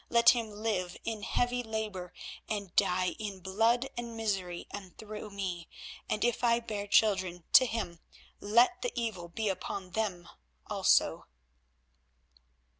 Let him live in heavy labour and die in blood and misery, and through me; and if I bear children to him, let the evil be upon them also."